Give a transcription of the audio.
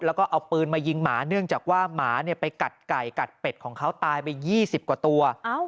แล้วก็เอาปืนมายิงหมาเนื่องจากว่าหมาไปกัดไก่กัดเป็ดของเขาตายไป๒๐กว่าตัว